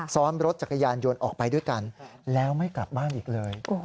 ซ้อนรถจักรยานยนต์ออกไปด้วยกันแล้วไม่กลับบ้านอีกเลย